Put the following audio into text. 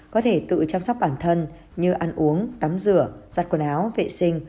có thể tự chăm sóc bản thân như ăn uống tắm rửa giặt quần áo vệ sinh